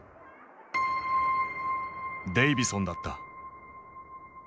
デイヴィソンだった。